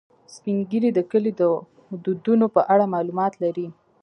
سپین ږیری د کلي د دودونو په اړه معلومات لري